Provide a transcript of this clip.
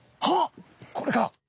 あっこれか？